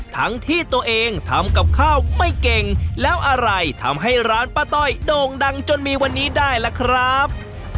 ทั้งที่ตัวเองทำกับข้าวไม่เก่งแล้วอะไรทำให้ร้านป้าต้อยโด่งดังจนมีวันนี้ได้ล่ะครับ